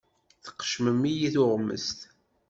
Tqeccem-iyi tuɣmest.